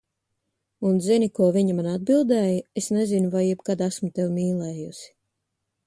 Un zini, ko viņa man atbildēja, "Es nezinu, vai jebkad esmu tevi mīlējusi."